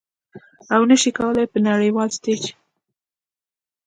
او نشي کولې چې په نړیوال ستیج